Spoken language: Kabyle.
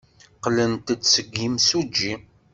Qqlent-d seg yimsujji.